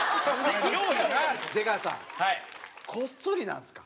出川さんこっそりなんですか？